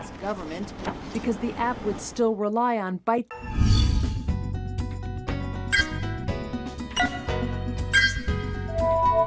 hãy đăng ký kênh để ủng hộ kênh của mình nhé